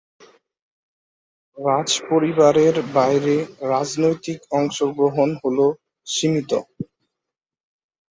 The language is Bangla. রাজপরিবারের বাইরে রাজনৈতিক অংশগ্রহণ হল সীমিত।